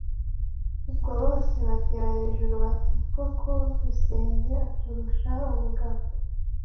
Ubwo bose batera hejuru bati Koko Rusenge aturusha ubugabo!”